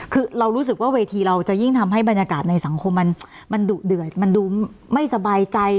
คือเรารู้สึกว่าเวทีเราจะยิ่งทำให้บรรยากาศในสังคมมันดุเดือดมันดูไม่สบายใจ